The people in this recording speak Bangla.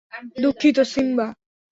দুঃখিত, সিম্বা।